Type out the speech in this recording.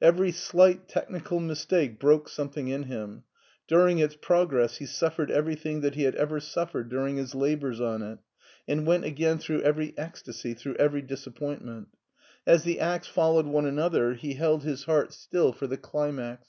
Every slight technical mistake broke something in him. During its progress he suffered everything that he had ever suffered during his labors on it, and went again through every ecstasy, through every disappointment; as the acts followed one another he held his heart SCHWARZWALD 3" still for the climax.